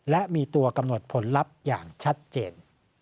และมีตัวกำหนดผลลัพธ์อย่างชัดเจน